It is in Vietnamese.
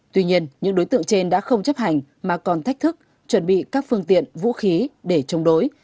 tuy nhiên những đối tượng trên đã không chấp hành mà còn thách thức chuẩn bị các phương tiện vũ khí để chống đối